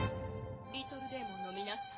リトルデーモンの皆さん。